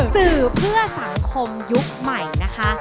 สื่อเพื่อสังคมยุคใหม่นะคะ